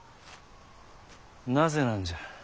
なぜなんじゃ。